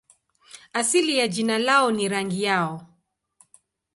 Asili ya jina lao ni rangi yao.